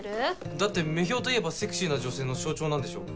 だって女豹といえばセクシーな女性の象徴なんでしょ？